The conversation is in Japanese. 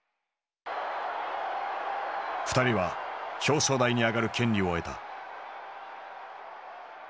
２人は表彰台に上がる権利を得た。